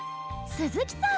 すずきさん！